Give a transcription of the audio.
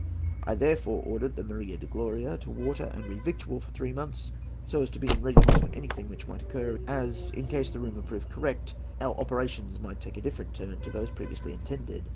I therefore ordered the Maria de Gloria to water and re victual for three months, so as to be in readiness for anything which might occur, as, in case the rumour proved correct, our operations might take a different turn to those previous intended.